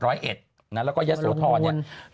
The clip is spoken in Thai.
แล้วก็เย็นโสทร